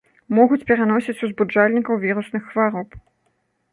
Могуць пераносіць узбуджальнікаў вірусных хвароб.